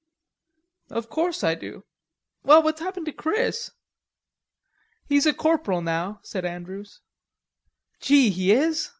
"Of course I do." "Well, what's happened to Chris?" "He's a corporal now," said Andrews. "Gee he is....